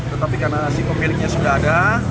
tetapi karena psikofiliknya sudah ada